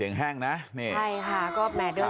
อีกเวลา๔ปีที่เหลือ